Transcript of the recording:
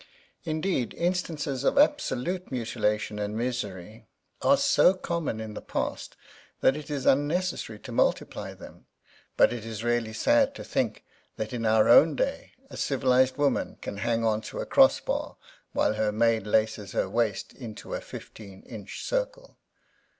Indeed, instances of absolute mutilation and misery are so common in the past that it is unnecessary to multiply them; but it is really sad to think that in our own day a civilized woman can hang on to a cross bar while her maid laces her waist into a fifteen inch circle.